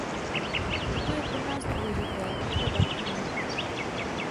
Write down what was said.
Proto je pro nás důležité tyto banky mít.